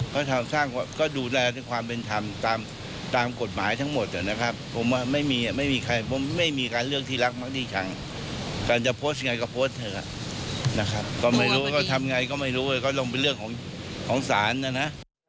ก็ไม่รู้ก็ทำไงก็ไม่รู้แล้วก็ลงไปเรื่องของศาลนะนะ